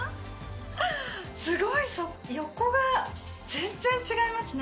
すごい横が全然違いますね